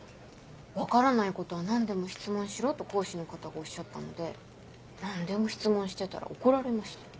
分からないことは何でも質問しろと講師の方がおっしゃったので何でも質問してたら怒られまして。